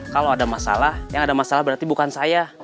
kalau ada masalah yang ada masalah berarti bukan saya